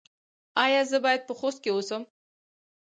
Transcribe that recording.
ایا زه باید په خوست کې اوسم؟